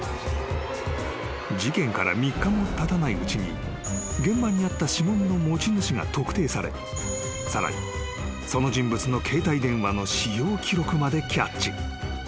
［事件から３日もたたないうちに現場にあった指紋の持ち主が特定されさらにその人物の携帯電話の使用記録までキャッチ］